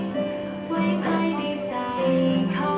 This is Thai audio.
ได้ใกล้ชิ้นที่เธอก็พอ